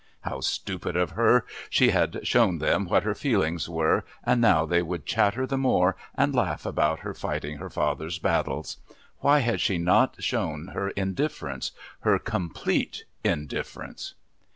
How stupid of her! She had shown them what her feelings were, and now they would chatter the more and laugh about her fighting her father's battles. Why had she not shown her indifference, her complete indifference?